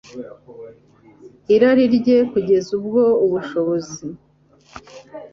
irari rye kugeza ubwo ubushobozi